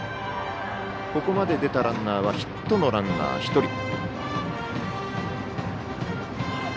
ここまで出たランナーはヒットのランナーが１人。